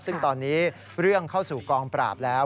ซึ่งตอนนี้เรื่องเข้าสู่กองปราบแล้ว